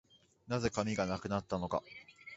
何故、紙がなくなったのか